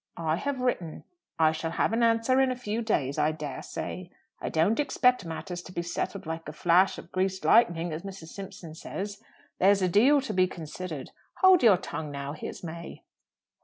"I have written. I shall have an answer in a few days, I dare say. I don't expect matters to be settled like a flash of greased lightning, as Mr. Simpson says. There's a deal to be considered. Hold your tongue, now; here's May."